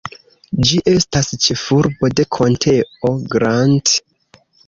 Ĝi estas ĉefurbo de konteo Grant.